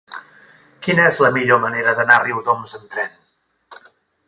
Quina és la millor manera d'anar a Riudoms amb tren?